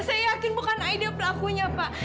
saya yakin bukan ide pelakunya pak